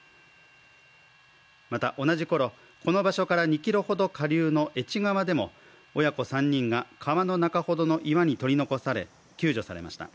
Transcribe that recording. また、同じころ、この場所から２ｋｍほど下流の愛知川でも親子３人が川の中程の岩に取り残され、救助されました。